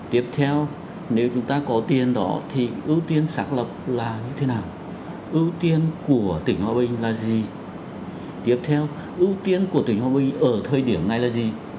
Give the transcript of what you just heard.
tiếp theo nếu chúng ta có tiền đó thì ưu tiên xác lập là như thế nào ưu tiên của tỉnh hòa bình là gì tiếp theo ưu tiên của tỉnh hòa bình ở thời điểm này là gì